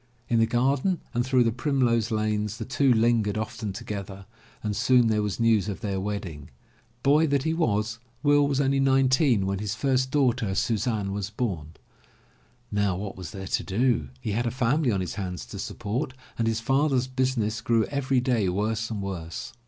In the garden and through the primrose lanes the two lingered often together and soon there was news of their wedding. Boy that he was. Will was only nine teen when his first daughter, Suzanne, was bom. Now what was there to do? He had a family on his hands to support and his father's business grew every day worse and worse.